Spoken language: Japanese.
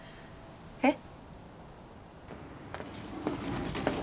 えっ？